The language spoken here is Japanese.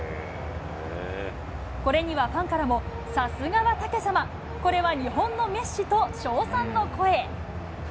これにはファンからも、さすがはタケ様、これは日本のメッシと称賛の声。